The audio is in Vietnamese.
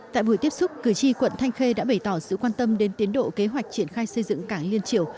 tại buổi tiếp xúc cử tri quận thanh khê đã bày tỏ sự quan tâm đến tiến độ kế hoạch triển khai xây dựng cảng liên triều